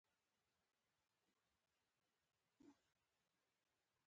کاناډا د بشري حقونو اداره لري.